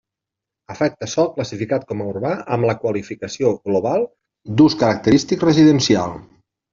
Afecta sòl classificat com a urbà amb la qualificació global d'ús característic residencial.